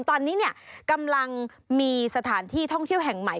ตอนนี้กำลังมีสถานที่ท่องเที่ยวแห่งใหม่